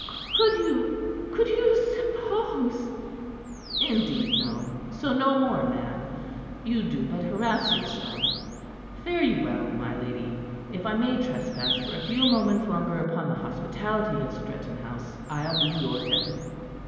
"Could you could you suppose " "Indeed, no. So no more, ma'am. You do but harass yourself. Fare you well, my lady. If I may trespass for a few moments longer upon the hospitality of Stretton House, I'll be your debtor."